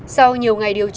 sau nhiều ngày điều tra